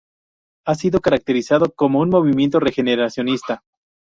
Ha sido caracterizado como un movimiento regeneracionista.